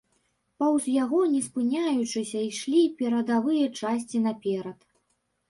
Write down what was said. Паўз яго, не спыняючыся, ішлі перадавыя часці наперад.